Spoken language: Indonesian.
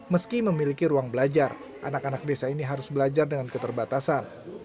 meski memiliki ruang belajar anak anak desa ini harus belajar dengan keterbatasan